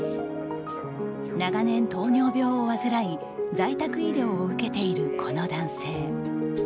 長年、糖尿病を患い在宅医療を受けている、この男性。